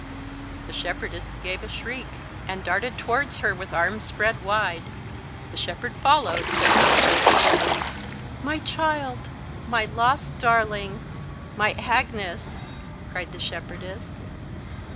The shepherdess gave a shriek, and darted towards her with arms spread wide; the shepherd followed, but not so eagerly. "My child! my lost darling! my Agnes!" cried the shepherdess.